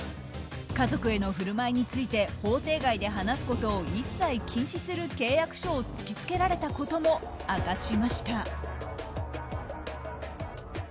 家族への振る舞いについて法定外で話すことを一切禁止する契約書を突き付けられたことも明かしました。